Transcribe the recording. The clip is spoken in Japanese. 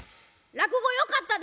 「落語よかったで。